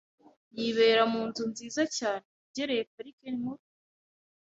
Yibera mu nzu nziza cyane yegereye Parike Nkuru.